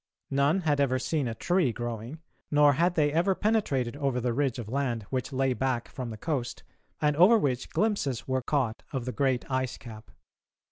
None had ever seen a tree growing, nor had they ever penetrated over the ridge of land which lay back from the coast, and over which glimpses were caught of the great ice cap.